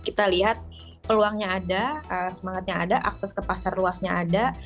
kita lihat peluangnya ada semangatnya ada akses ke pasar luasnya ada